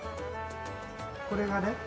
これがね